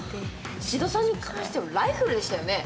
シシドさんに関してはライフルでしたよね？